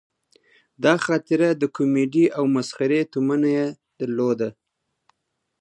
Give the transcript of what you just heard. دا خاطره د کومیډي او مسخرې تومنه یې درلوده.